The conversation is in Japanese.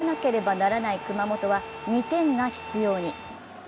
一方、勝たなければならない熊本は２点が必要に。